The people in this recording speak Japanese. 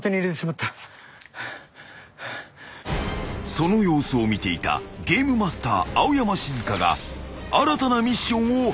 ［その様子を見ていたゲームマスター青山シズカが新たなミッションを発動］